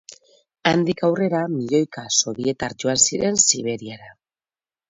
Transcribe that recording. Handik aurrera, milioika sobietar joan ziren Siberiara.